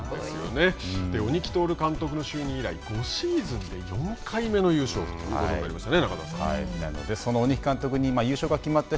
鬼木達監督の就任以来５シーズンで４回目の優勝ということになりましたね。